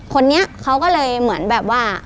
คนนี้เขาก็เลยเหมือนแบบว่า